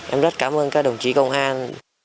em rất cảm ơn các đồng chí công an